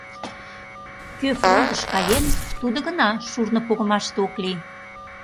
Кӧ фронтыш каен, тудо гына шурно погымаште ок лий.